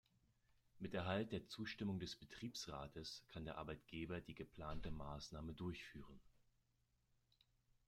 Mit Erhalt der Zustimmung des Betriebsrates kann der Arbeitgeber die geplante Maßnahme durchführen.